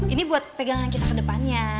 ini buat pegangan kita ke depannya